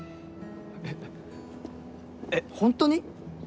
えっえっ本当に！？